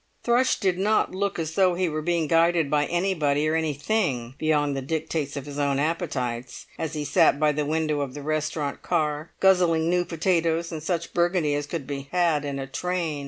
Thrush did not look as though he were being guided by anybody or anything, beyond the dictates of his own appetites, as he sat by the window of the restaurant car, guzzling new potatoes and such Burgundy as could be had in a train.